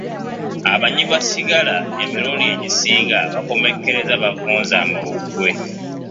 Abanywi ba sigala emirundi egisinga bakomekkereza bavunze amawuggwe.